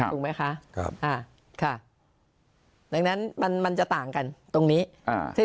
ถูกไหมคะครับครับดังนั้นมันจะต่างกันตรงนี้